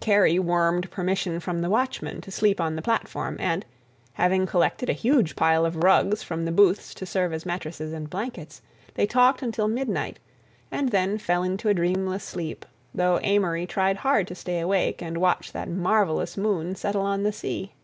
Kerry wormed permission from the watchman to sleep on the platform and, having collected a huge pile of rugs from the booths to serve as mattresses and blankets, they talked until midnight, and then fell into a dreamless sleep, though Amory tried hard to stay awake and watch that marvellous moon settle on the sea.